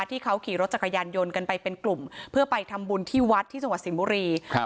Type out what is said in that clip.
ที่เขาขี่รถจักรยานยนต์กันไปเป็นกลุ่มเพื่อไปทำบุญที่วัดที่จังหวัดสิงห์บุรีครับ